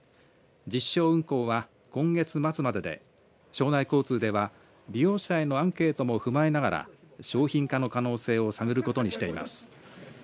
実証運行は、今月末までで庄内交通では利用者へのアンケートも踏まえながら商品化の可能性を探ることにしています。